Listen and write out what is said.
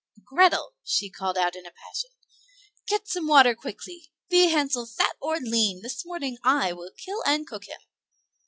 "Grethel." she called out in a passion, "get some water quickly; be Hansel fat or lean, this morning I will kill and cook him."